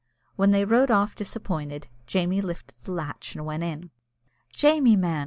While they rode off disappointed, Jamie lifted the latch and went in. "Jamie, man!"